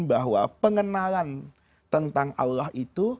bahwa pengenalan tentang allah itu